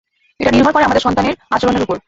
এটা নির্ভর করে আমাদের সন্তানের আচরণের ওপর।